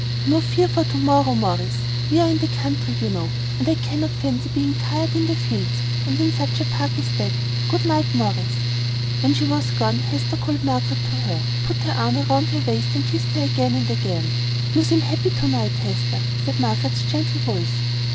"No fear for to morrow, Morris. We are in the country, you know, and I cannot fancy being tired in the fields, and in such a park as that. Good night, Morris." When she too was gone, Hester called Margaret to her, put her arm round her waist, and kissed her again and again. "You seem happy to night, Hester," said Margaret's gentle voice.